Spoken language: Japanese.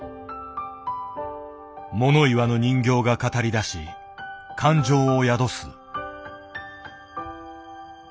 物言わぬ人形が語りだし感情を宿す。